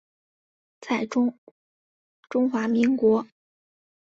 在中华民国。